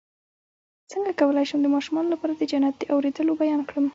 څنګه کولی شم د ماشومانو لپاره د جنت د اوریدلو بیان کړم